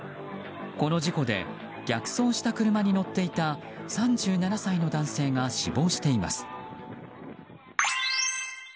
この事故で逆走した車に乗っていた３７歳の男性が死亡しています。